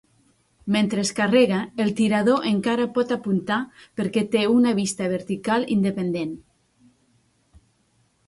Mentre es carrega, el tirador encara pot apuntar perquè té una vista vertical independent.